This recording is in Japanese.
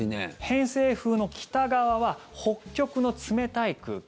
偏西風の北側は北極の冷たい空気。